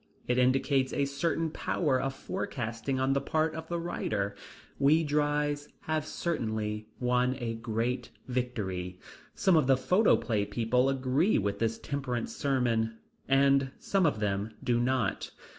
It indicates a certain power of forecasting on the part of the writer. We drys have certainly won a great victory. Some of the photoplay people agree with this temperance sermon, and some of them do not.